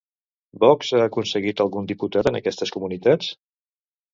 Vox ha aconseguit algun diputat en aquestes comunitats?